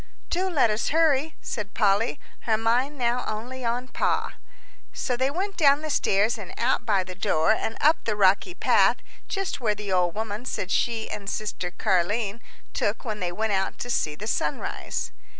"Do let us hurry," said Polly, her mind now only on Pa. So they went down the stairs and out by the door and up the rocky path just where the old woman said she and sister Car'line took when they went out to see the sunrise.